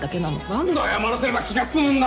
何度謝らせれば気が済むんだ！